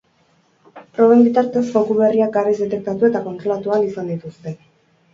Proben bitartez, foku berriak garaiz detektatu eta kontrolatu ahal izan dituzte.